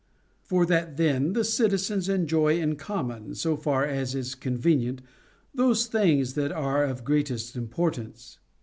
For that then the citizens enjoy in common, so far as is convenient, those things that are of greatest importance.